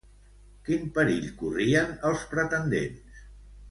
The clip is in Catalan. Quin perill corrien els pretendents?